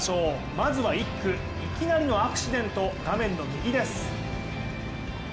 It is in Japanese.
まずは１区、いきなりのアクシデント、画面の右です。